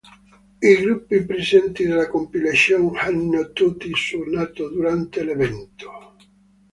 I gruppi presenti nella compilation hanno tutti suonato durante l'evento.